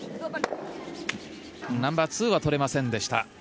ナンバーツーは取れませんでした。